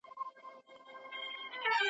ملي هویت، فکري استقلالیت